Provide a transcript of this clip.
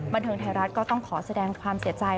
บันเทิงไทยรัฐก็ต้องขอแสดงความเสียใจ